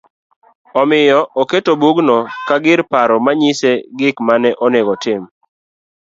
Omiyo oketo bugno ka gir paro ma nyise gik ma onego otim